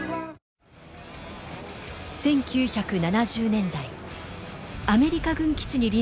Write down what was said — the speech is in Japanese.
１９７０年代アメリカ軍基地に隣接する街